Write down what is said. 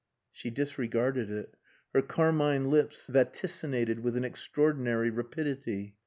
She disregarded it. Her carmine lips vaticinated with an extraordinary rapidity.